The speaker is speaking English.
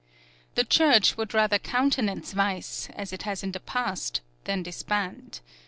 The Church would rather countenance vice, as it has in the past, than disband.